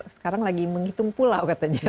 sekarang lagi menghitung pula katanya